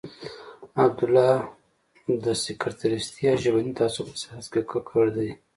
عبدالله د سکتریستي او ژبني تعصب په سیاست کې ککړ دی.